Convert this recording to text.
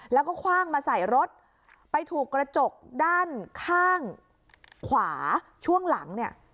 แล้วก็คว่างมาใส่รถไปถูกกระจกด้านข้างขวาช่วงหลังเนี่ย